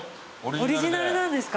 オリジナルなんですか。